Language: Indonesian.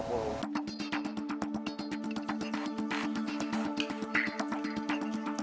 ini pakai dua sumber pak